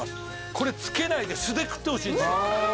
これつけないで素で食ってほしいんですようわ！